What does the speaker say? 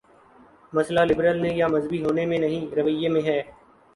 مسئلہ لبرل یا مذہبی ہو نے میں نہیں، رویے میں ہے۔